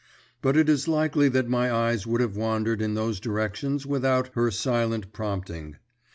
But it is likely that my eyes would have wandered in those directions without her silent prompting.